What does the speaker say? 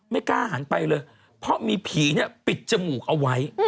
ไม่กล้าหันไปเลยเพราะมีผีเนี่ยปิดจมูกเอาไว้